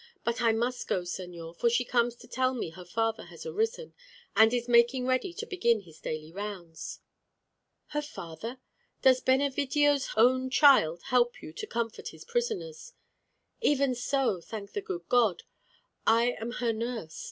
But I must go, señor; for she comes to tell me her father has arisen, and is making ready to begin his daily rounds." "Her father! Does Benevidio's own child help you to comfort his prisoners?" "Even so, thank the good God. I am her nurse.